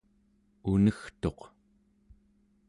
unegtuq